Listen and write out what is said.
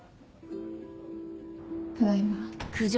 ただいま。